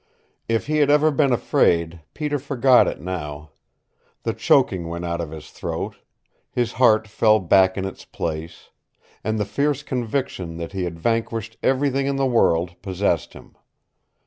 If he had ever been afraid, Peter forgot it now. The choking went out of his throat, his heart fell back in its place, and the fierce conviction that he had vanquished everything in the world possessed him.